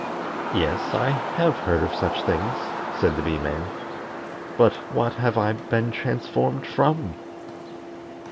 "Yes, I have heard of these things," said the Bee man; "but what have I been transformed from?"